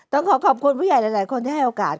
ต้องขอขอบคุณผู้ใหญ่หลายคนที่ให้โอกาส